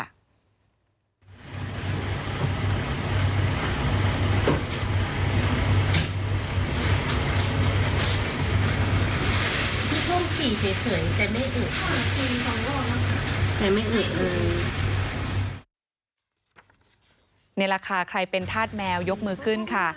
นี่แหละค่ะใครเป็นธาตุแมวยกมือขึ้นค่ะ